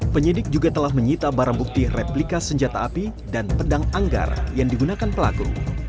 penyidik juga telah menyita barang bukti replika senjata api dan pedang anggar yang digunakan pelaku